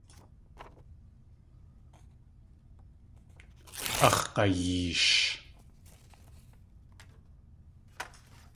Áx̲ g̲ayeesh!